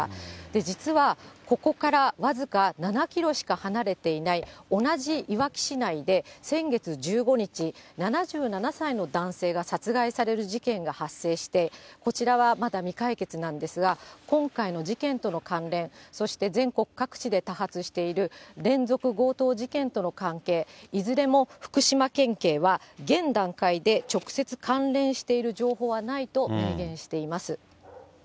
実は、ここから僅か７キロしか離れていない、同じいわき市内で、先月１５日、７７歳の男性が殺害される事件が発生して、こちらはまだ未解決なんですが、今回の事件との関連、そして、全国各地で多発している連続強盗事件この関係、いずれも福島県警は、現段階で、直接関連している情報はないと明言しています。